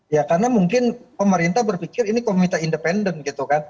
ya karena mungkin pemerintah berpikir ini komite independen gitu kan